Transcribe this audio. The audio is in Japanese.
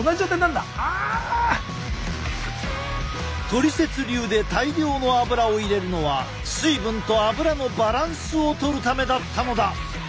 トリセツ流で大量の油を入れるのは水分と油のバランスをとるためだったのだ！